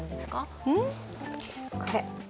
これ。